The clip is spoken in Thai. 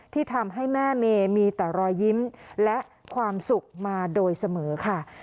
ที่ทำให้แม่เมย์มีแต่รอยยิ้มและความสุขมาโดยเสมอค่ะ